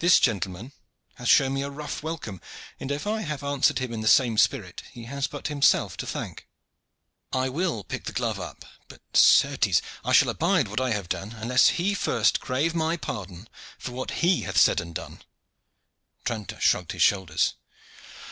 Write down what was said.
This gentleman hath shown me a rough welcome, and if I have answered him in the same spirit he has but himself to thank. I will pick the glove up; but, certes, I shall abide what I have done unless he first crave my pardon for what he hath said and done." Tranter shrugged his shoulders.